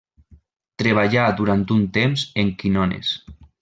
Treballà durant un temps en quinones.